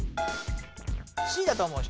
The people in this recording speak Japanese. Ｃだと思う人？